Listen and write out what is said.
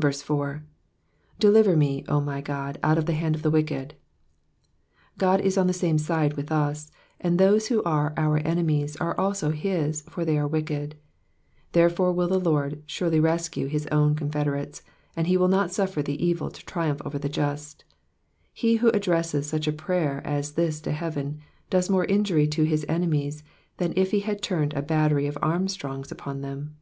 4. ^^ Deliver me, 0 my Qod^ out of the hand of the wicked.^'' God is on the same side with us, and those who are our enemies are also his, for they are wicked ; therefore will the Lord surely rescue his own confederates, and he will not suffer the evil to triumph over the just. He who addresses such a prayer as this to heaven, does more injury to his enemies than if he had turned a battery of Armstrongs upon them.